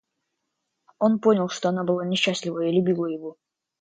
Он понял, что она была несчастлива и любила его.